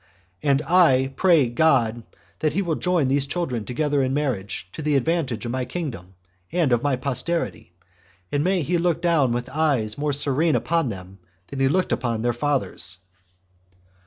And I pray God that he will join these children together in marriage, to the advantage of my kingdom, and of my posterity; and may he look down with eyes more serene upon them than he looked upon their fathers."